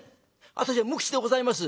私は無口でございます」。